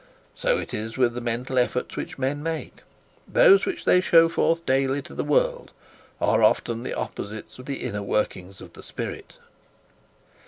So it is with the mental efforts which men make. Those which they show forth daily to the world are often the opposites of the inner workings of the spirit.